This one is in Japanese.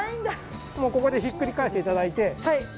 ここでひっくり返していただいて。